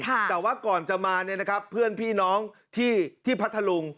แต่ว่าก่อนจะมาเนี่ยนะครับเพื่อนพี่น้องที่พัทธลุง